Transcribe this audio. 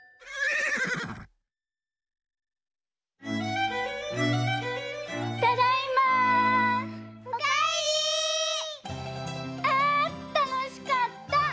あたのしかった！